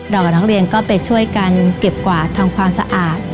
กับนักเรียนก็ไปช่วยกันเก็บกวาดทำความสะอาด